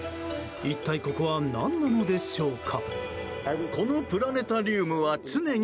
一体ここは何なのでしょうか？